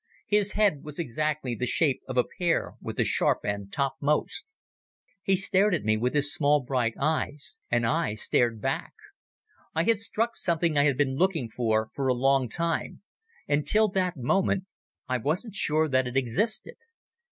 His head was exactly the shape of a pear with the sharp end topmost. He stared at me with his small bright eyes and I stared back. I had struck something I had been looking for for a long time, and till that moment I wasn't sure that it existed.